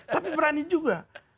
tapi berani juga